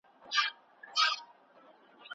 دغه څارخونه د ټیلېسکوپونو کور دی.